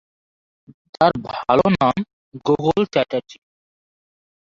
তার ভাল নাম গোগোল চ্যাটার্জী।